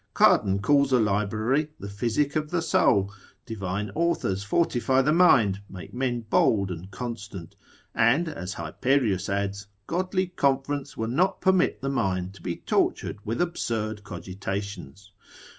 Cardan calls a library the physic of the soul; divine authors fortify the mind, make men bold and constant; and (as Hyperius adds) godly conference will not permit the mind to be tortured with absurd cogitations.